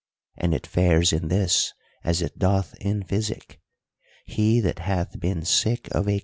And it fares in this as it doth in physic. He that hath been sick of a